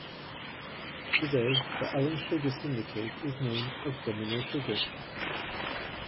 Today, the Allen sugar syndicate is known as Domino Sugar.